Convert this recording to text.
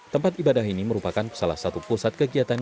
tempat ibadah ini merupakan salah satu pusat kegiatan